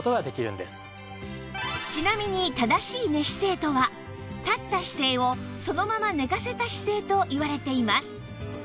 ちなみに正しい寝姿勢とは立った姿勢をそのまま寝かせた姿勢といわれています